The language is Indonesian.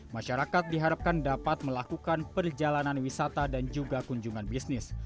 masyarakat diharapkan dapat melakukan perjalanan wisata dan juga kunjungan bisnis